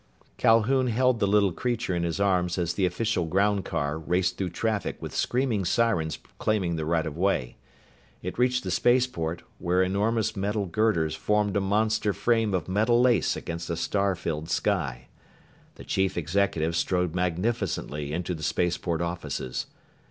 Calhoun held the little creature in his arms as the official groundcar raced through traffic with screaming sirens claiming the right of way. It reached the spaceport, where enormous metal girders formed a monster frame of metal lace against a star filled sky. The chief executive strode magnificently into the spaceport offices.